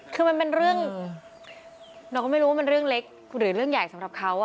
คือมันเป็นเรื่องเราก็ไม่รู้ว่ามันเรื่องเล็กหรือเรื่องใหญ่สำหรับเขา